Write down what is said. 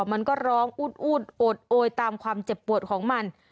มันก็ร้องอูดโอดโอยตามความเจ็บปวดของมัน